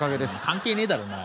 関係ねえだろお前。